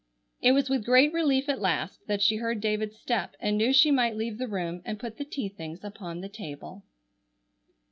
It was with great relief at last that she heard David's step and knew she might leave the room and put the tea things upon the table.